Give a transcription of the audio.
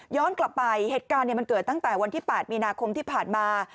กลับไปเหตุการณ์มันเกิดตั้งแต่วันที่๘มีนาคมที่ผ่านมา